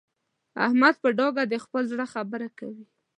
احمد په ډاګه د خپل زړه خبره کوي.